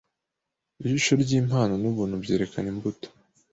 Ijisho ryimpano nubuntu byerekana imbuto